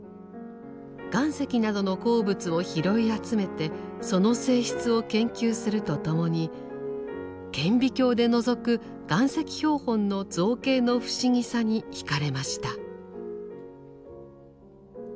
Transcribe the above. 岩石などの鉱物を拾い集めてその性質を研究するとともに顕微鏡でのぞく岩石標本の造形の不思議さに惹かれました。